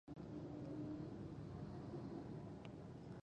دښتې د امنیت په اړه اغېز لري.